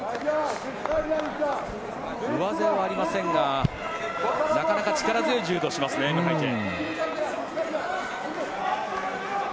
上背はありませんがなかなか力強い柔道をしますねムハイジェ。